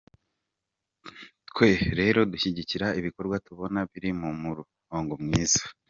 Twe rero dushyigikira ibikorwa tubona biri mu murongo mwiza.